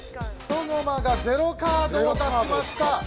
ソノマがゼロカードを出しました。